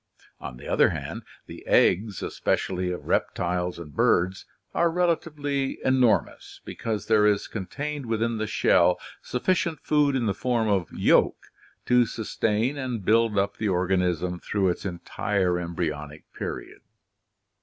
On the other hand, the eggs, especially of reptiles and birds, are relatively enormous, because there is contained within the shell sufficient food in the form of "yolk" to sustain and build up the organism through its entire embryonic period.